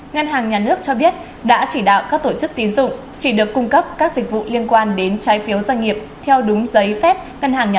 ngân hàng nhà nước cho biết đã chỉ đạo các tổ chức tín dụng chỉ được cung cấp các dịch vụ liên quan đến trái phiếu doanh nghiệp theo đúng giấy phép ngân hàng nhà nước